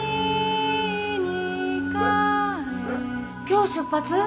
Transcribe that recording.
今日出発？